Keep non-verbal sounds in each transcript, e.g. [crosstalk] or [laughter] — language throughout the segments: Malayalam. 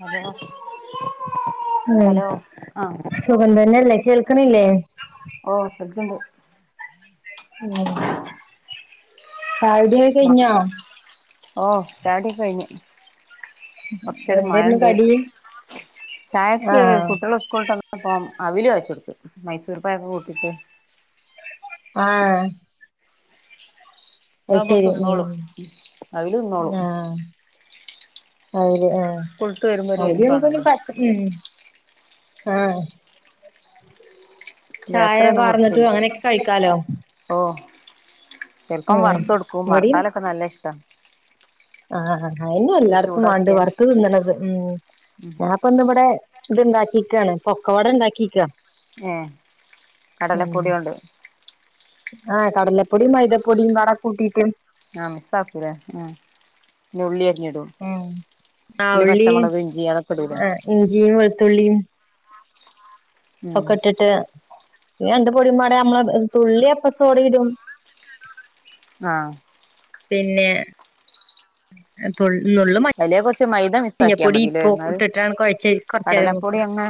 ഹലോ ഹലോ ആഹ് ആ സുഖ തന്നെല്ലേ കേൾക്കണില്ലേ ഓ സുഖണ്ട് ഉം ചായുടികെ കഴിഞ്ഞോ ചായുടിക്കഴിഞ്ഞ് കൊറചേരം മഴ എന്തായിരുന്നു ഇണ്ട് കടി ചായക്ക് ആഹ് കുട്ടികള സ്കൂളട്ടന്നപ്പം അവില് കാച്ചു കൊടുത്ത് മൈസൂർ പാക്ക്കൂട്ടിട്ട് ആ ഇതാമ്പോൾ തിന്നോളും ഉം അത് തിന്നോളും ആ [unintelligible] സ്കൂള്ട്ട് വരുമ്പോ ആഹ ഒരു വെശപ്പാണല്ലോ ബേക്കറി ഒന്നും പാർന്നിട്ട് കൊടുത്തില്ല അങ്ങനെയൊക്കെ കഴിക്കാലോ ഓ ചെലപ്പം ഉം വറുത്ത കൊടുക്കും വറുത്താലൊക്കെ നല്ല ഇഷ്ടം ആ ആ ആ ആയിന് ഒന്ന് എല്ലാടത്തും വേണ്ട ചൂടാക്കിയാ വറുത്ത തിന്നണത്. ഞാൻ ഇപ്പൊ ഇന്ന് ഇവിടെ ഇത് ഇണ്ടാക്കിക്കയാണ് പൊക്കവട ഇണ്ടാക്കിക്ക ഏ കടലപ്പൊടിയ കൊണ്ട് ആഹ കടലപ്പൊടി മൈതപ്പൊടിയും വട കൂട്ടീട്ടും ആഹ മിസ് ആക്കില്ലെ ആഹ ഉള്ളിയറിഞ്ഞോ ഉം ആ ഉള്ളിയും ഇഞ്ചി അതൊക്കെ ഇടൂലേ ഇഞ്ചിയും വെളുത്തുള്ളിയും. ഉം ഒക്കെയിട്ടിട്ട് - പിന്ന എണ്ട് പൊടിമ്പട [inaudible] നമ്മള് തുള്ളി എപ്പ സോടിയിടും ആഹ് പിന്നെ- [unintelligible] നുള്ള് മ - അതിലേ കുറച്ച് മൈദ മിസ്സാക്കിയാ മഞ്ഞപ്പൊടി മതില്ലേ ഉപ്പും എന്നാല് ഇട്ടിട്ടാണ് കുഴച്ച് കുറച്ച നേരം കടലപ്പൊടി വെക്കും അങ്ങ്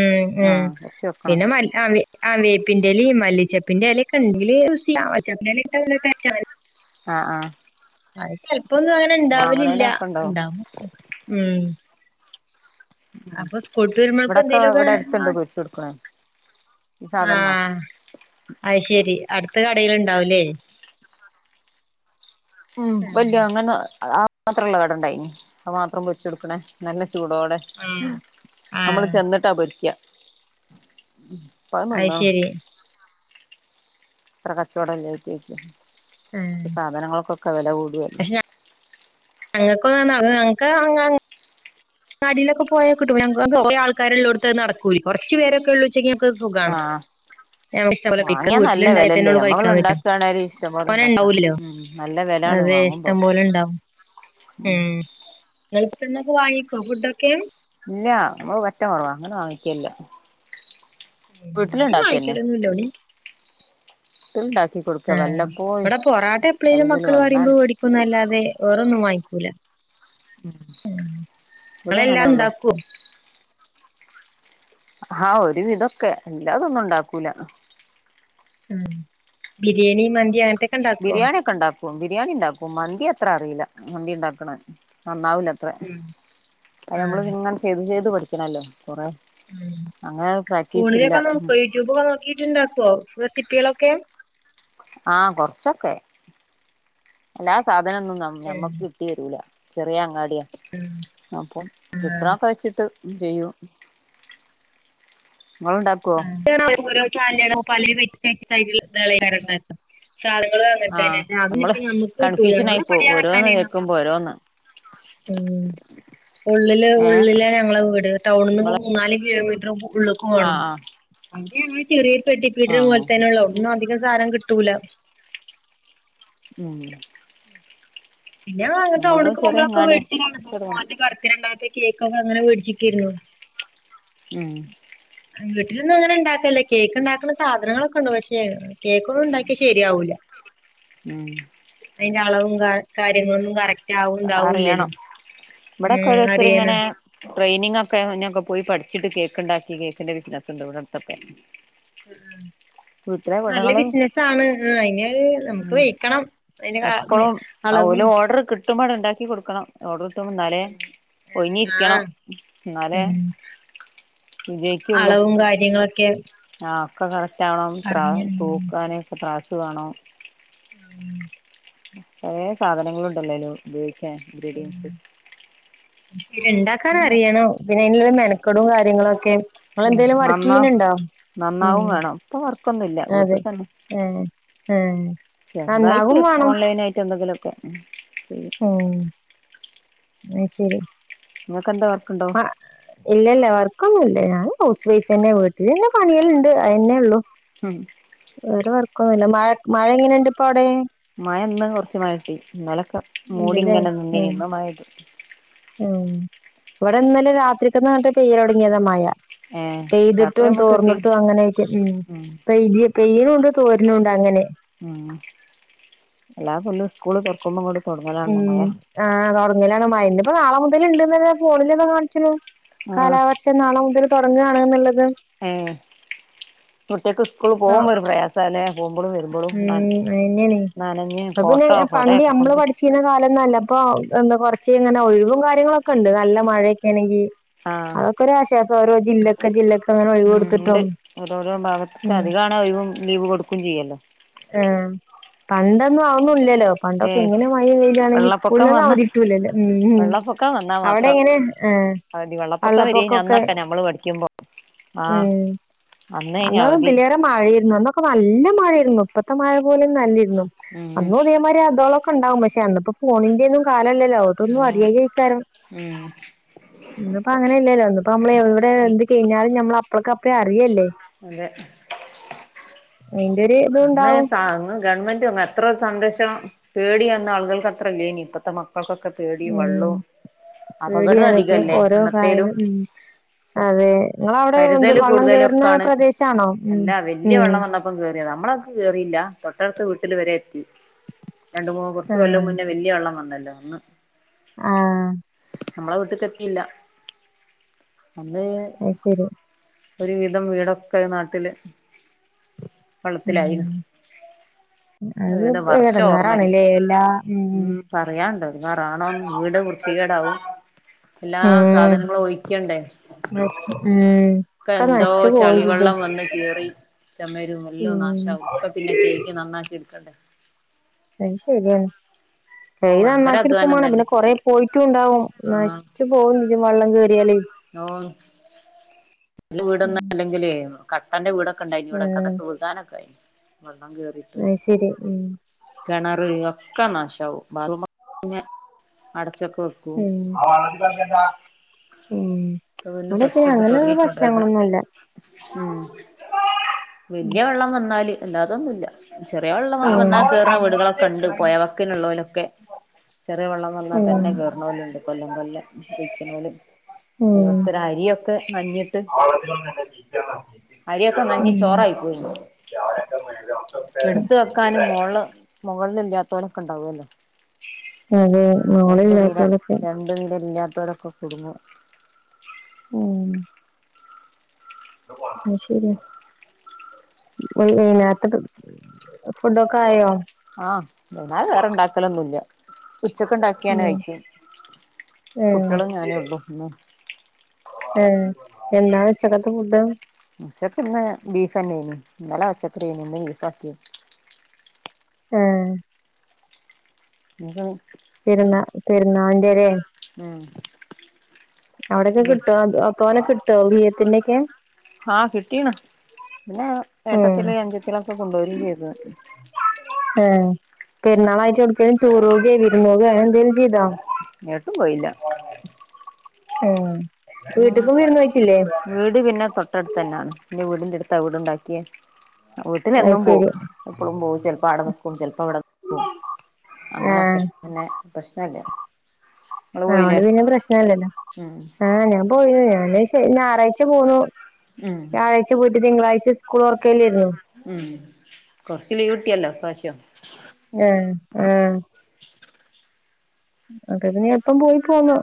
ഉം ഉം ആഹ് കുറച്ച് വെക്കണം പിന്നെ മ- ആ വേപ്പിന്റെ ഇലയും മല്ലിച്ചപ്പിന്റെറെ ഇലൊക്കെ ഉണ്ടെങ്കില് [unintelligible] ആഹ ആഹ [inaudible] ഇപ്പൊന്നും അങ്ങനെ ഇണ്ടാവലില്ല ഉണ്ടാവും ഉം അപ്പം കൂട്ടരുമൾക്ക് ഇവിടൊക്കെ എന്തേലുംക്കെ ഇവിടെ അടുത്തുണ്ട് ആഹ പൊരിച്ച് കൊടുക്കണേ ഈ ആ സാധനം മാത്രം അത്ശരി അടുത്ത കടേൽ ഇണ്ടാവുലേ ഉ വല്യ ആഹ് അങ്ങനെ- മാത്രം ഉള്ള കട ഉണ്ട് മാത്രം പൊരിച്ചു കൊടുക്കണേ നല്ല- ചൂടോടെ നമ്മള് ആഹ് ചെന്നിട്ടാ പൊരിക്കുക ഉം [inaudible] അത്ശെരി അത്ര കച്ചവെടം ഇല്ലായിരിക്കും ആഹ് സാധനങ്ങൾക്കൊക്കെ വില കൂ പക്ഷെ [unintelligible] ഞങ്ങൾക്ക് അങ്ങനെ - കടീലൊക്കെ പോയാൽ കിട്ടും കുറെ ആൾക്കാര്ള്ളോട്ത്തേ നടക്കു കുറച്ച് പേരൊക്കെ ഉള്ളൂ ഉച്ചക്ക് - ആഹ് കഴിക്കാം വാങ്ങിയ നല്ല വീട്ടിലുണ്ടായതന്നെ വിലല്ലേ ഉള്ളൂ നമ്മള് കഴിക്കാൻ പറ്റും ഇണ്ടാക്കാണേൽ ഇഷ്ടംപോലെ തോനെ ഉണ്ടാക്കാ ഉണ്ടാവൂലല്ലോ നല്ല വിലാണ് അതെ വാങ്ങുമ്പോ ഇഷ്ടം [inaudible] പോലെ ഉണ്ടാവും നിങ്ങളിപ്പത്തന്നൊക്കെ വാങ്ങിക്കോ ഫുഡൊക്കെ ഇല്ല നമ്മ പറ്റെ കുറവാ അങ്ങനെ വാങ്ങിക്കയില്ല ഉം വടിം വായിക്കലൊന്നുല്ലടിം [inaudible] ആ വല്ലപ്പോഴും ഇവിടെ പൊറാട്ട എപ്പളേലും ആരെങ്കിലും മക്കള് വന്നാൽ പറയുമ്പോ വേടിക്കുംന്നല്ലാതെ അതൊന്നും വാങ്ങിക്കൂല ഇവിടെ ങ്ങളെല്ലാം അങ്ങനെയുള്ളൂ ഉണ്ടാക്കുമോ ഹാ ഒരു വിതൊക്കെ ഇല്ലാതൊന്നും ഉണ്ടാക്കൂല ഉം ബിരിയാണി മന്തി അങ്ങനത്തെ ബിരിയാണി ഒക്കെ ഉണ്ടാക്കും ബിരിയാണി ഉണ്ടാക്കും മന്തിക്കെ അത്ര അറിയില്ല മന്തി ഉണ്ടാക്കണെ നന്നാവില്ലത്ര ഉം അ ആഹ് നമ്മള് ഇങ്ങനെ ചെയ്ത് ചെയ്ത് പഠിക്ക ക്ക്ണല്ലെ ഉം ഇല്ല ഫോണിലൊക്കെ നോക്കോ യൂട്യൂബൊക്കെ നോക്കിട്ടുണ്ട ക്കോ റെസിപ്പികളൊക്കെ ആഹ് കൊർച്ചൊക്കെ എല്ലാ സാധ നൊന്നും ഉം ഞമ്മക്ക് കിട്ടി വരൂല ചെറിയ അങ്ങാടി അപ്പം കിട്ടണൊക്കെ വെച്ചിട്ട് ചെയ്യും നിങ്ങളുണ്ടാക്കുവോ [unintelligible] ങ്ങ ഓരോ ചാനൽ ഇടാം പലെ [unintelligible] സാധനങ്ങളും ആ അങ്ങനത്തെന്നെ അത് നമ്മള് ഇപ്പ ഞമ്മക്ക് കിട്ടൂല കൺഫ്യൂഷൻ ആയി പോവും ഞങ്ങളുടെപടി ഓരോന്ന് അങ്ങത്താനെയാണ് കേക്കുമ്പോ ഓരോന്ന് ഉ ഉള്ളില് ഏഹ് ഉള്ളിലെ ഞങ്ങൾടെവീട് ടൗണീന്ന് ഇങ്ങ് നിങ്ങളെ മൂന്നാല് കിലോമീറ്ററ് ഉ ഉള്ളേക്ക് ആഹ് പോണം ആഹ് [unintelligible] ചെറിയരു പെട്ടിപ്പീടിക ആഹ് പോലത്തെന്നൊള്ള ടൊന്നുംഅധികം സാനം കിട്ടൊ ട്ടൂല [unintelligible] പിന്നെ അങ്ങട്ട് നമ്മൾതും അവിടേക്ക് ചെറിയ പോവുമ്പോ ഒക്കെ അങ്ങാടിയാ മേടിച്ചിന് കൊറച്ചടങ്ങണം [unintelligible] കേക്കൊക്കെ അങ്ങനെ മേടിച്ചേക്ക് രുന്നു ഉം വീട്ടിലൊന്നും അങ്ങനെ ഇണ്ടാക്കല് ല്ല്യ കേക്ക് ഇണ്ടാക്കണ സാധനങ്ങളൊക്കെ ഉണ്ട്. പക്ഷേ കേക്കൊന്നും ഉണ്ടാക്കിയാ ശരിയാവൂല്ല ഉം അയിന്റെ അളവും [unintelligible] കാര്യങ്ങളൊന്നും കറക് അറിയണം. ഇവിടൊക്കെ ഉം ഓരോരുത്തര് അറിയണം ഇങ്ങനെ ട്രെയിനിങ്ങ് ഒക്കെ അയിനൊക്കെ പോയി പഠിച്ചിട്ട് കേക്ക് ഉണ്ടാക്കി കേക്കിന്റെ ബിസിനസ് ഉണ്ട് ഇവിടടുത്തൊക്കെ നല്ല ബിസിനസ്സ് ആണ്. ആ അതിന് നമുക്ക് ഉം വെയിക്കണം അതിന്റെ ആ അളവും ട്ടും പണം ഉണ്ടാക്കി കൊടുക്കണം. ഓർഡർ കിട്ടുമ്പോ എന്നാലേ ഉം അതെ ആ ഒഴിഞ്ഞിരിക്കണം എന്നാലേ ഉം വിജയിക്കുള്ളൂ അളവും കാര്യങ്ങളൊക്കെ [unintelligible] കണം ത്രാ അറിഞ്ഞ് തൂക്കാണെ ത്രാസ് വേണോ ഉം പഴേ സാധനങ്ങളുണ്ടല്ലേലു ഉപയോഗിക്ക ക്കാൻഇൻഗ്രീഡിയൻസ് ഇണ്ടാക്കാനറിയണം പിന്നെ അയിനുള്ളത് മെ വെക്കടും കാര്യങ്ങളും ഒക്കെ ഉം നന്നാ ഉം നന്നാവും വേണം ഇപ്പ വർക്കൊന്നുംല്ല വീട്ടി തന്നെ ഏ ചെറുതായിട്ട് ഓൺലൈൻ ആയിട്ട് എന്തെങ്കിലും കെ ഉം അയ്ശരി നിങ്ങക്കെന്താ ആ ഇല്ലല്ല വർക്കൊന്നുമില്ല ല്ല ഞാൻ ഹൗസ് വൈഫ്ന്നെ വീട്ടിൽന്നെ പണികളുണ്ട് അത് തന്നെ ഉള്ളു ഉം വേറെ വർക്കൊന്നുമില്ല മഴ മഴ എങ്ങനെയുണ്ട് ഇപ്പൊ അവിടെ മഴ ഇന്ന് കൊറച്ച് മഴ കിട്ടി ഇന്നലൊക്കെ ഇണ്ട്ല്ലേ മൂടിങ്ങനെന്ന നിന്നിനി ഉം ഇന്ന് മഴ കിട്ടി ഉം ഇവിടെ ഇന്നല രാത്രിക്കന്ന് പറഞ്ഞിട്ട് പെയുൽ തുങ്ങിയതാ മഴ ഏഹ് രാത്രി പെയ്തിട്ടും നമ്മക്ക് കിട്ടി തോർന്നിട്ടും അങ്ങനെയൊക്കെ ഉം പെയ് പെയ്യണുമുണ്ട് തോരണുണ്ട് അങ്ങനെ ഉം എല്ലാ കൊല്ലോം സ്കൂള് തൊറ ക്കുമ്പോ അങ്ങട്ട് ഉം ആഹ് തുടങ്ങലാണ് മഴ ഇന്നിപ്പ നാളെ മുതലിണ്ട് എന്നല്ലാം ഫോണിൽ ഇപ്പോ കാണിച്ചല്ലോ കാലാവർഷം നാളെ മുതൽ തുടങ്ങാണ് എന്നുള്ളത് ഉം കുട്ടികക്ക് സ്കൂൾ ആഹ് പോകുമ്പോ ഒരു പ്രയാസാല്ലേ പോകുമ്പോളും വരുമ്പോളും ഉം അതന്നയാണേ നനഞ്ഞ് അപ്പൊ പിന്നെ കോട്ടോ പണ്ട് കൊടയൊക്കെ നമ്മള് കൊണ്ട് പഠിച്ചിരുന്ന കാലം നല്ല ഇപ്പൊ എന്താ കുറച്ച് ഇങ്ങനെ ഒഴിവും കാര്യങ്ങളൊക്കെ ഉണ്ട് നല്ല മഴയൊക്കൊണെങ്കി ആഹ് ജില്ലക്ക് അങ്ങനെ ഒഴിവ് ഉം കൊടുത്തിട്ടും ഉണ്ട് ഒരോരോ ഭാഗത്ത് ഉം അധികമാണ് ഒഴു ലീവ് കൊടുക്കും ചെയ്യല്ലോ ആ പണ്ടൊന്നും അതൊന്നുല്ലല്ലോ ഏ പണ്ടൊക്കെ ഇങ്ങനെ മഴയും വെയിലയാണെങ്കിൽ വെള്ളപ്പൊക്കം സ്കൂളിലൊന്നും വന്ന അവധികിട്ടൂല്ലല്ലോ ഉം ഉം വെള്ളപ്പൊക്കം വന്നാ അവിടെ മാത്രം എങ്ങനെ ആ അവധി വെള്ളപ്പൊക്കം വരേനി ഒക്കെ അന്നൊക്കെ നമ്മള് പഠിക്കുമ്പോ ആഹ് ഉം അന്നേനി അന്നും അവധി ഇതിലേറെ മഴയായിരുന്നു അന്നൊക്കെ നല്ല മഴയായിരുന്നു ഇപ്പത്തെ മഴ പോലൊന്നുമല്ല അന്നോ ഉം അന്നും ഇതേ മാതിരി അതോ ണ്ടാവും പക്ഷെപ്പോ ഫോണിന്റെ ല്ലോ ട്ടൊന്നും ഉം അറിയാ കഴിക്കാരം ഇന്നിപ്പോ അങ്ങനെ അല്ലല്ലോ ഇന്നിപ്പോ നമ്മ എവിടെ എന്ത് കഴിഞ്ഞാലും ഞമ്മൾ അപ്പ [unintelligible] അറിയല്ലേ അതെ അയിന്റെ ഒരു അന്ന് ഇതുണ്ടാവും അന്ന് ഗവൺമെന്റ് അ എത്ര സംരഷണം പേടി വന്ന ആൾ ആളുകൾക്ക് അത്ര ഇല്ലായിനി ഇപ്പഴത്ത മക്കൾക്ക് ഉം അപകടവും പേടിയാണ് ഇ പി അധികല്ലേ ഓരോ അന്നത്തേലും കായലും ഉം അതെ നിങ്ങളവിടെ എന്ത് കരുതല് വെള്ളം കൂടുതലും കയറുന്ന ഒക്കാണ് പ്രദേശാണോ ഉം ഉം നമ്മളക്കെ കേറിയില്ല തൊട്ടടുത്ത വീട്ടിൽ വരെ എത്തി രണ്ട് മൂ കൊറച്ച് കൊല്ലം മുന്നേ വല്യ വെള്ളം വന്ന ല്ല അന്ന് ആ നമ്മള വീട്ടി ചക്ക ഇല്ല അതേ അത് ശരി ഒരു വിധം വീടൊക്കായി നാട്ടില് വെള്ളത്തിലായിരുന്ന് ഉം അത് ഏതാ വർഷ ഓർമ്മ എടങ്ങേറാണല്ലേ എല്ലാ ഉം പറയാന്ണ്ട് എറാനും വീട് വൃത്തികേടാവും എല്ലാ ഉം സാധനങ്ങളും ഒഴിക്കണ്ടേ ഒക്കെ ഒക്കെ എന്തോ നശിച്ചു പോയില്ലേ ചളിവെള്ളം വന്ന് കേറി ചുമരും എല്ലാം നാശാവും ഇപ്പ പിന്നെ കേക്ക് നന്നാക്കി എടുക്കണ് അത് ശരിയാണ് കൈ ഓ ഭയങ്കര അധ്വാനം നന്നാക്കിട്ക്കുമ്മാണം തന്നെ പിന്നെ കൊറേ പോയിട്ടുണ്ടാവും ആഹ് നശിച്ച് പോകും ചെജ്ജു വള്ളം കേ ടിയാല് ഓ ല് ഉം വീടൊന്നും അല്ലെങ്കിലേ കട്ടന്റെ വീട ണ്ടായിനിവടെക്കകെ ആഹ് വികാനൊക്കായി അത് ശരി ഉം കെണറ് ഒക്കെ നാശാവും [unintelligible] അടച്ചൊ ഊം ക്കെ പിന്നെ ഫസ്റ്റ് തൊട്ട് തൊടങ്ങിക്കോട്ടേന്ന് പ്രശ്നങ്ങളൊന്നുല്ല ഉം വെല്ല്യ വെള്ളം വന്നാല് അല്ലാതൊന്നുല്ല ചെറിയ വെള്ളം വ ഉം വന്നാൽ കേറണ വീടുകളൊക്കെ ഉണ്ട് പൊയ വക്കിലുള്ളോലൊക്കെ ചെറിയ വെള്ളം വന്നാ ഉം തന്നെ കേറ്ണോല്ണ്ട് കൊല്ലം കൊല്ലം വെയിക്കണോല് ഉം ഓരോര്ത്തരെ അരിയൊക്കെ നനഞ്ഞിട്ട് അരിയൊക്കെ നഞ്ഞി ഊം ഉം ക്കാനും മോള് മോ ല്ലാത്തോലെക്കെണ്ടാവല്ലോ അതെ മോളില്ലാത്തോലൊക്കെ പെരക്കക്കുടുങ്ങു അ ശര്യാ വെയ് വെയ്നാര്ത്തെ ഫുഡൊക്കെ ആയോ ആഹ് എന്നാലും വേറെണ്ടാക്കലൊന്നുല്ല്യ ഉച്ചക്കുണ്ടാക്കിയാണ് ഉം കഴിക്കും കുട്ടികളും ഞാനേ ഉള്ളൂ ഇന്ന് ഏ എന്താണ് ഉച്ചക്കത്തെ ഫുഡ് ഉച്ചക്കിന്ന് ബീഫന്നേയ്നി ഇന്നലെ പച്ചക്കറിയാന്നി ഇന്ന് ബീഫ് ആക്കി ആ [unintelligible] പെരുന്ന പെരുന്നാളിന്റെ ലേ ഉം അവിടൊക്കെ കിട്ടോ തോനെ കിട്ടോ ഒളിയത്തിന്റോകെ ആഹ് കിട്ടീണ് പിന്നെ ഏട്ടത്തിൾ അഞ്ചത്തിളൊക്കെ കൊണ്ടോരിം ചെയ്ത് പെർന്നാളായിട്ട് ഒട്ക്കേം ടൂറോവേ വിർന്നോവേ ന്തേലും ചെയ്തോ. ഏട്ടും പോയില്ല മ് ഹ് വീട് പിന്നെ തൊട്ടടുത്തെന്നേണ് ന്റെ വീടിന്റട് എവിടെ ഉണ്ടാക്കിയെ അത് വീട്ടിലെന്നും പോവും ശരി എപ്പളും പോവും ചെൽപ്പോ ആടെ നിക്കും ചെൽപ്പോ വടെക്കും അങ്ങനൊക്കെ പിന്നെ പ്രശ്നല്ലേ അഓണ്ട് പിന്നെ പ്രശ്നല്ലല്ലോ ഉം ആ ഞാൻ പോയി ഞാന് ശ ഞായറാഴ്ച പോന്നു ഉം വ്യായാഴ്ച പോയിട്ട് തിങ്കളാഴ്ച സ് കുളൊ ഉം കൊർച്ച് ലീവ്ട്ട്യല്ലോ പ്രാശ്യം ആഹ് അതെ ഇതിനി എപ്പം പോയി പോന്നോ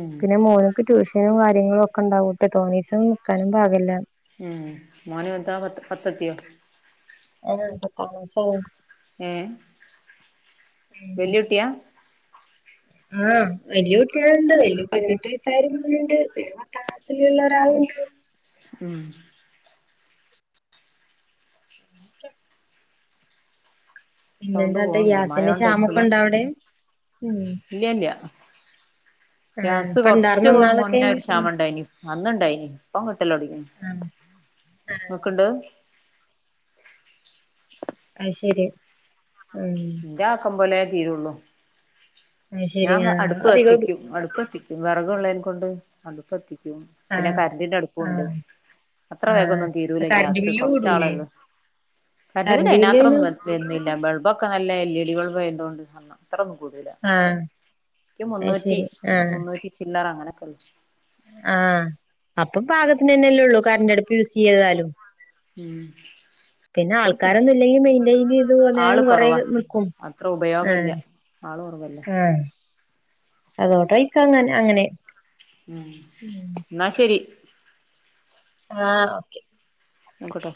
ഉം പിന്നെ മോൻക്ക് ട്യൂഷ കാര്യങ്ങളൊക്കെ ഉണ്ടാവോട്ട് തോനെ ദിവസം ഒന്നും ന്ക്കാനും പാടില്ല ഉം മോന് എന്താ പത്ത് പത്തെത്തിയോ [inaudible] ആ [unintelligible] ഏഹ് ഉം വല്യുട്ട്യാ ആഹ് വല്ല്യ കുട്ട്യാൾ ണ്ട് വല്യ പതിനെട്ട് വയസ്സായൊരു മോന്ണ്ട് പത്താം ക്ലാസിലുള്ള ഒരാളുണ്ട് ഉം പിന്നെ സൗണ്ട് ന്താത്ത പോവ്ണ്ട് ഗ്യാസിന്റെ ക്ഷാമൊക്കെ ണ്ടോ അവിടേം ഇല്ല്യ ല്ല ആഹ് ഗ്യാസ് ഇപ്പ കൊർച്ച് ഇണ്ടാർന്നോ ഇന്നാളൊക്കെ മുന്നെ ഒര് ഉം ക്ഷാമണ്ടായിനി അന്ന് ണ്ടായിനി പ്പം കിട്ടലൊട്ങ്ങീണ്. ആഹ് ആഹ് നോക്ക്ണ്ട് അഹ്ശരി ന്റാക്കം പോലെ തീരുള്ളൂ അയ്ശരി ഞാൻ ആഹ് അടുപ്പ് അധികം കത്തിക്കും അടുപ്പത്തിക്കും പിനെ വിറകുള്ളേയ്നെ കൊണ്ട് അടുപ്പത്തി ക്കും പിന്നെ ആഹ് കരണ്ടിന്റെ അടുപ്പുണ്ട് ആഹ് അത്ര ആഹ് വേഗവൊന്നും തീരൂല്ല കറണ്ട് ഗ്യാസ് ബില്ല് കൂടൂലേ കുറച്ചാളെള്ളൂ കർന്റ്‌ ബില്ല് കറണ്ട് അയ്നാത്രം ബില്ല്ന് ഒന്നു വ വര്ന്നില്ല ബൾബാെ ഒക്കെ നല്ല എല്ലീഡി ബൾബായതോണ്ട് അത്രൊന്നും കൂടെ ആഹ് ൻക്ക് അത് മുന്നൂറ്റി ശരി മുന്നൂറ്റി ചില്ലറ അങ്ങ നെക്കൊള്ളു ആ അപ്പം പാകത്തിന് തന്നെയല്ലെള്ളു കറന്റടുപ്പ് യൂസ് ചെയ്താലും ഉം പിന്നെ എടുക്കും ആൾക്കാരൊന്നും ഇല്ലെങ്കി മെയിന്റെയിൻ ചെയ്ത് പോന്നാലും ആള് കൊറെ കുറവാ നിക്കും അത്ര ആ ഉപയോഗല്ല ആള് കുറവല്ലേ ആ അതോട്ടെയ്ക്കങ്ങനെ അങ്ങനെ ഉം ന്നാ ശരി ആ ഓക്കെ വെക്കട്ടെ